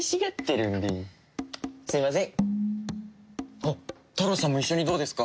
あっタロウさんも一緒にどうですか？